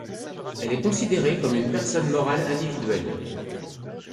Elle est considérée comme une personne morale individuelle.